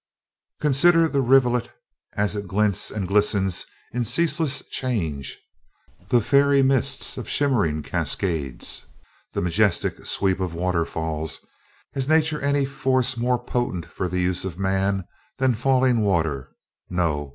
"Consider the rivulet as it glints and glistens in ceaseless change, the fairy mists of shimmering cascades, the majestic sweep of waterfalls has Nature any force more potent for the use of man than falling water? No!